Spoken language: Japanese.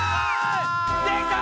できた！